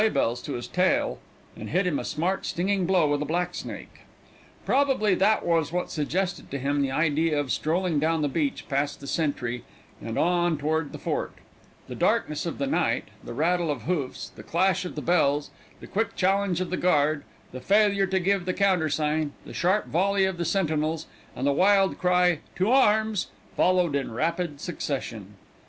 [Illustration: Then they tied a string of sleighbells to his tail, and hit him a smart, stinging blow with a black snake (Page 27)] Probably that was what suggested to him the idea of strolling down the beach, past the sentry, and on toward the fort. The darkness of the night, the rattle of hoofs, the clash of the bells, the quick challenge of the guard, the failure to give the countersign, the sharp volley of the sentinels, and the wild cry, "to arms," followed in rapid succession.